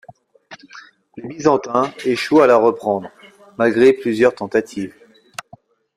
Les Byzantins échouent à la reprendre malgré plusieurs tentatives.